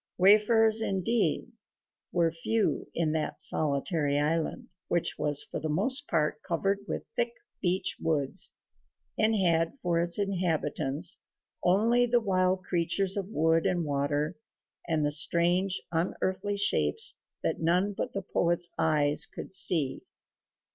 Wayfarers indeed were few in that solitary island, which was for the most part covered with thick beech woods, and had for its inhabitants only the wild creatures of wood and water and the strange unearthly shapes that none but the poet's eyes could see.